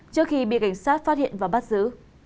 trước khi bị cảnh sát phát hiện và bắt giữ